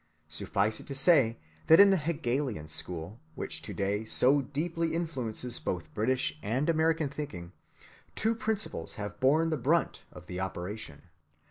Suffice it to say that in the Hegelian school, which to‐day so deeply influences both British and American thinking, two principles have borne the brunt of the operation.